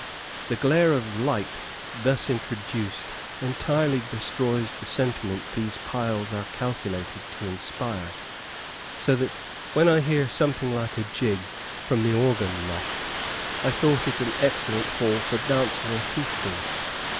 The glare of light thus introduced entirely destroys the sentiment these piles are calculated to inspire; so that, when I heard something like a jig from the organ loft, I thought it an excellent hall for dancing or feasting.